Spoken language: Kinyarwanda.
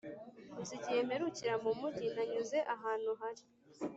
uzi igihe mperukira mumujyi nanyuze ahantu hari